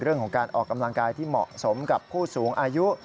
เรื่องของการออกกำลังกายที่เหมาะสมกับผู้สูงอายุ